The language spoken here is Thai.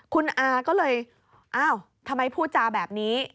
คุณอาก็เลยอ้าวทำไมพูดจาแบบนี้